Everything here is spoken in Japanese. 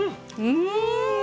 うん。